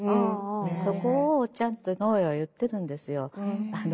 そこをちゃんと野枝は言ってるんですよ。